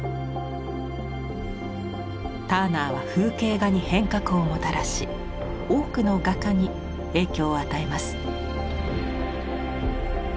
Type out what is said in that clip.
ターナーは風景画に変革をもたらし多くの画家に影響を与えます。